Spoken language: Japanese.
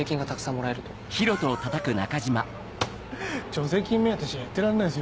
助成金目当てじゃやってらんないですよ。